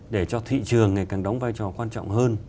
để cho thị trường ngày càng đóng vai trò quan trọng hơn